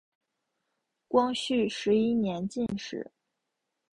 光绪十一年进士。